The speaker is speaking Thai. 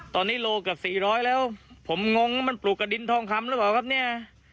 ตอนนี้โลเกือบ๔๐๐แล้วผมงงว่ามันปลูกกระดินทองคำหรือเปล่าครับเนี่ย